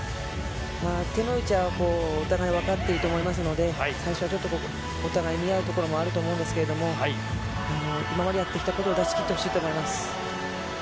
手の内はお互い分かっていると思いますので、最初はちょっとお互い見合うところもあると思うんですけれども、今までやってきたことを出しきってほしいと思います。